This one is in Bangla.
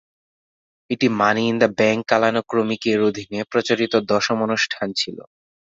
এটি মানি ইন দ্য ব্যাংক কালানুক্রমিকের অধীনে প্রচারিত দশম অনুষ্ঠান ছিল।